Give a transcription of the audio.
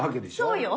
そうよ。